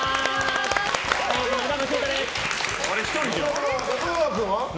中川君は？